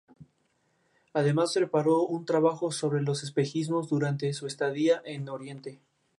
Además, preparó un trabajo sobre los espejismos durante su estadía en oriente.